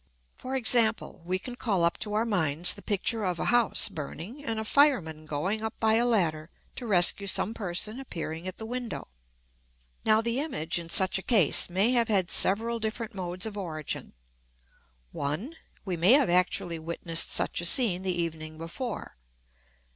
For example, we can call up to our minds the picture of a house burning and a fireman going up by a ladder to rescue some person appearing at the window. Now the image, in such a case, may have had several different modes of origin. 1. We may have actually witnessed such a scene the evening before.